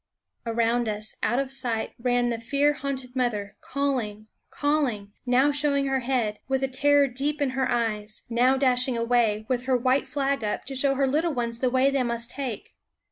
Around us, out of sight, ran the fear haunted mother, calling, calling; now show ing her head, with the terror deep in her eyes; now dashing away, with her white flag up, to show her little ones the way they must take.